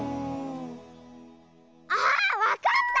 あわかった！